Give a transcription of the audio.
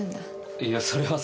いや、それはさ。